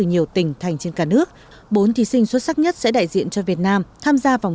nhiều tỉnh thành trên cả nước bốn thí sinh xuất sắc nhất sẽ đại diện cho việt nam tham gia vòng